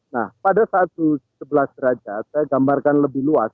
nah pada satu sebelas derajat saya gambarkan lebih luas